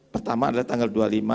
pertama adalah tanggal dua puluh lima